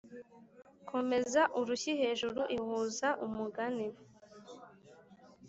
komeza urushyi hejuru ihuza umugani